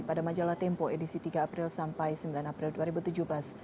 pada majalah tempo edisi tiga april sampai sembilan april dua ribu tujuh belas